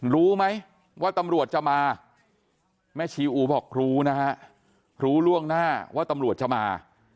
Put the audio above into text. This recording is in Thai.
รู้ไหมว่าตำรวจจะมาแม่ชีอู๋บอกรู้นะฮะรู้ล่วงหน้าว่าตำรวจจะมา